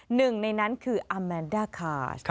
หนึ่งในนั้นคืออาแมนด้าคาส